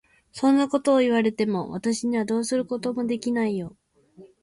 そんなことを言われても、私にはどうすることもできないよ。